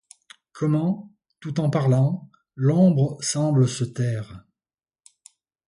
Comment, tout en parlant, l’ombre semble se taire ;